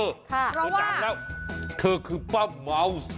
คำนึกจังแล้วเธอคือเป้าม้าว